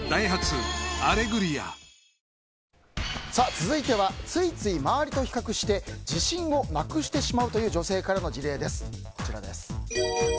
続いてはついつい周りと比較して自信をなくしてしまうという女性からの事例です。